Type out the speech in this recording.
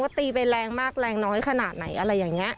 ตีไปแรงมากแรงน้อยขนาดไหนอะไรอย่างนี้